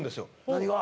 何が？